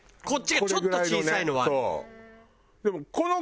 こっちがちょっと小さいのはある。